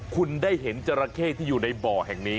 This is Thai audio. คุณได้เห็นจราเข้ที่อยู่ในบ่อแห่งนี้